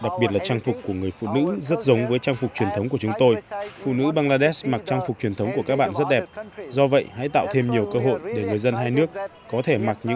màn trình diễn trang phục truyền thống của các bạn gây ấn tượng rất mạnh